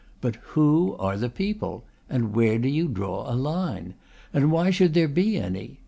But who are the people? And where are you to draw a line? And why should there be any?